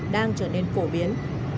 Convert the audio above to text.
đang trở nên phổ biến